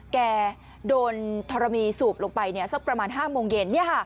แกโดนธรณีสูบลงไปสักประมาณ๕โมงเย็น